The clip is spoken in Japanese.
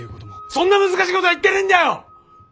そんな難しいことは言ってねえんだよ！